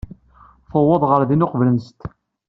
Tuweḍ ɣer din uqbel-nsent.